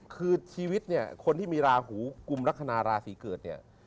คือชีวิตเนี่ยคนที่มีราหูกุมลักษณะราศีเกิดเนี่ย